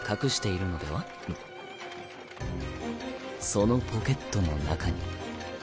そのポケットの中に。